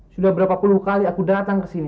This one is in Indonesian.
sudah berapa puluh kali aku datang ke sini